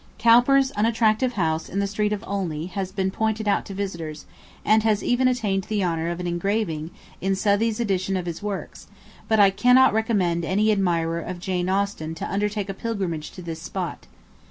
Cowper's unattractive house in the street of Olney has been pointed out to visitors, and has even attained the honour of an engraving in Southey's edition of his works: but I cannot recommend any admirer of Jane Austen to undertake a pilgrimage to this spot.